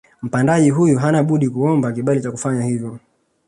Mpandaji huyu hana budi kuomba kibali cha kufanya hivyo